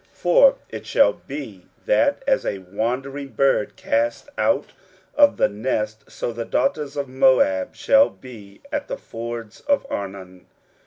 23:016:002 For it shall be, that, as a wandering bird cast out of the nest, so the daughters of Moab shall be at the fords of Arnon.